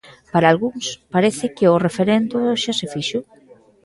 Para algúns, parece que o referendo xa se fixo.